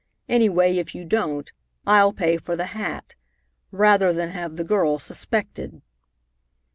Any way, if you don't, I'll pay for the hat, rather than have the girl suspected."